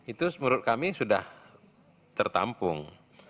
itu menurut kami sudah tertampung